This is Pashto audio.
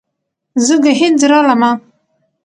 زه ګهيځ رالمه